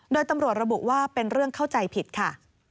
โดยตำรวจระบุว่าเป็นเรื่องเข้าใจผิดค่ะ